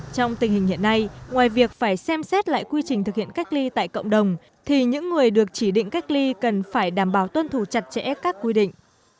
trong tình hình hiện nay ngoài việc phải xem xét lại quy trình thực hiện cách ly tại cộng đồng thì những người được chỉ định cách ly cần phải đảm bảo tuân thủ chặt chẽ các quy định